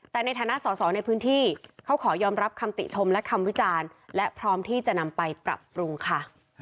แต่ในฐานะสอสอในพื้นที่เขาขอยอมรับคำติชมและคำวิจารณ์และพร้อมที่จะนำไปปรับปรุงค่ะ